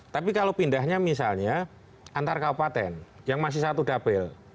tapi kalau pindahnya misalnya antar kabupaten yang masih satu dapil